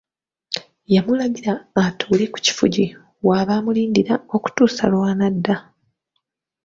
Yamulagira atuule ku kifugi w’aba amulindira okutuusa lw’anadda.